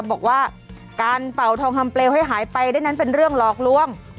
บอกว่าการเป่าทองคำเปลวให้หายไปได้นั้นเป็นเรื่องหลอกลวง